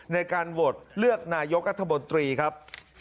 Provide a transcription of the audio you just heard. ในการวดเลือกนายกรรภบตรีครับ